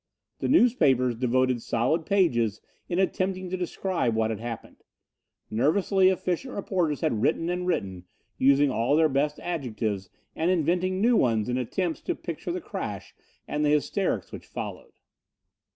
The newspapers devoted solid pages in attempting to describe what had happened. Nervously, efficient reporters had written and written, using all their best adjectives and inventing new ones in attempts to picture the crash and the hysterics which followed.